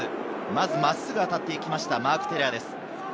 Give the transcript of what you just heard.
まず真っすぐ当たっていきました、マーク・テレアです。